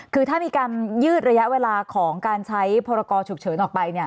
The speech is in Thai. คือถ้ามีการยืดระยะเวลาของการใช้พรกรฉุกเฉินออกไป